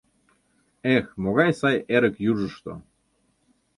— Эх, могай сай эрык южышто!